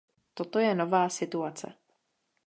Toto je nová situace.